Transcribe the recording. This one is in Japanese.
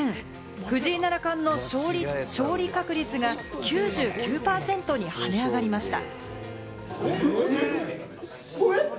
藤井七冠の勝利確率が９９％に跳ね上がりました。